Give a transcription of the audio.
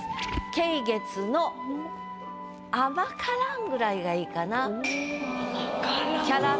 「桂月の甘からん」ぐらいがいいかな。